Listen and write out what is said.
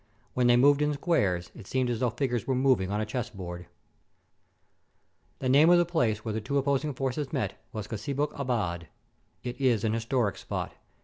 When they moved in squares, it seemed as though figures were moving on a chessboard I The name of the place where the two opposing forces met was Csibuk Abad. It is an historic spot.